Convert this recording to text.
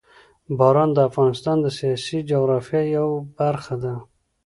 باران د افغانستان د سیاسي جغرافیه یوه برخه ده.